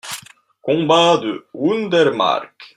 Combat de Hundelmarck.